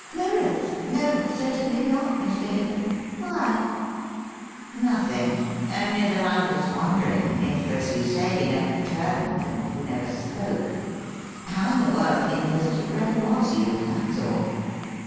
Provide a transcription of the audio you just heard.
"Mirrors? No, certainly not, Mr. Headland. Why?" "Nothing only that I was wondering, if as you say, he never turned and you never spoke, how in the world he knew that it really was you, that's all."